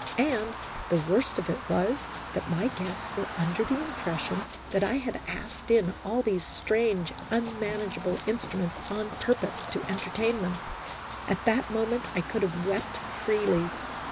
And the worst of it was that my guests were THE HISTORY OF A HAPPY THOUGHT. 21 3 under the impression that I had asked in all these strange, unmanageable instruments on purpose to entertain them. At that moment I could have wept freely.